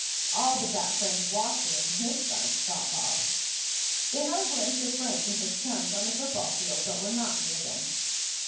"All but that Frank Watson and his bunch," thought Bob. They had a glimpse of Frank and his chums on the football field, but were not near them.